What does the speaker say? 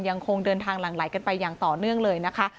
ยังคงเดินทางหลั่งไหลกันไปอย่างต่อเนื่องเลยนะคะ